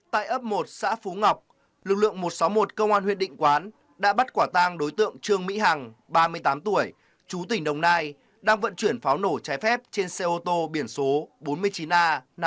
tại ấp một xã phú ngọc lực lượng một trăm sáu mươi một công an huyện định quán đã bắt quả tang đối tượng trương mỹ hằng ba mươi tám tuổi chú tỉnh đồng nai đang vận chuyển pháo nổ trái phép trên xe ô tô biển số bốn mươi chín a năm nghìn tám trăm tám mươi tám